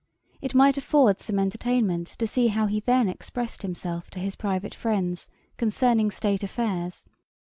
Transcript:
It might afford some entertainment to see how he then expressed himself to his private friends, concerning State affairs.